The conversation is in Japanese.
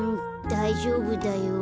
だいじょうぶだよ。